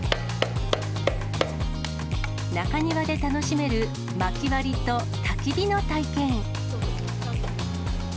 中庭で楽しめるまき割りとたき火の体験。